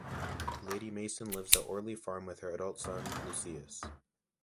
Lady Mason lives at Orley Farm with her adult son, Lucius.